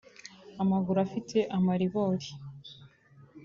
amaguru afite amaribori…